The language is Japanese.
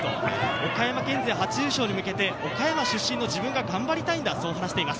岡山県勢初優勝に向けて岡山出身の自分が頑張りたいんだと話しています。